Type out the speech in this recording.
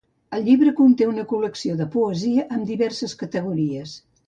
El llibre conté una col·lecció de poesia amb diverses categories.